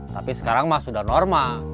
tapi sekarang mah sudah normal